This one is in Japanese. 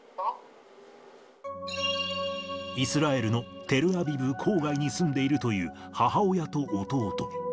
イスラエルのテルアビブ郊外に住んでいるという母親と弟。